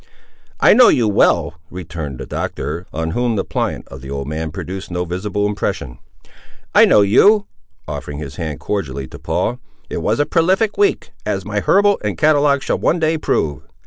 "I know you well," returned the Doctor, on whom the plaint of the old man produced no visible impression. "I know you," offering his hand cordially to Paul; "it was a prolific week, as my herbal and catalogues shall one day prove.